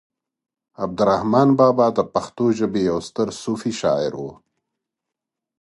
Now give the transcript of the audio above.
عبد الرحمان بابا د پښتو ژبې يو ستر صوفي شاعر و